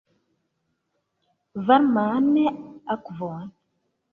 Varman akvon!